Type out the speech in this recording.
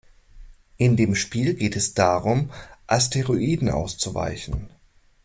In dem Spiel geht es darum, Asteroiden auszuweichen.